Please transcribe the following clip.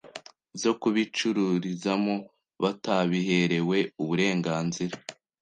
zo kubicururizamo batabiherewe uburenganzira